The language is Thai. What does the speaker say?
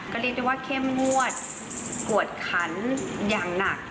ก็เรียกได้ว่าเข้มงวดกวดขันอย่างหนัก